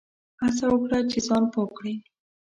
هڅه وکړه چي ځان پوه کړې !